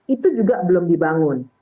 itu juga belum dibangun